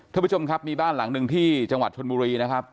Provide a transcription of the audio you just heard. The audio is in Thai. ท่านผู้ชมครับมีบ้านหลังหนึ่งที่จังหวัดชนบุรีนะครับ